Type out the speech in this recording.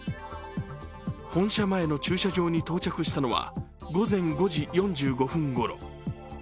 本社前の駐車場に到着したのは午前５時４５分ごろ。